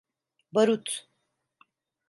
Barut…